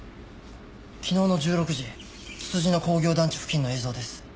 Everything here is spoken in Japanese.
昨日の１６時つつじ野工業団地付近の映像です。